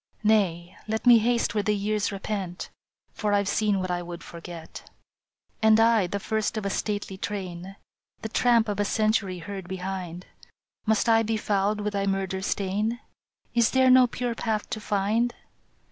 " Nay, let me haste where the years repent, For I ve seen what I would forget." " And I, the first of a stately train, The tramp of a century heard behind, Must I be fouled with thy murder stain? Is there no pure path to find?